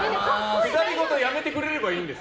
くだりごとやめてくれたらいいんです。